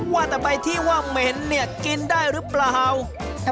ว่าแต่ใบที่ว่าเหม็นเนี่ยกินได้หรือเปล่า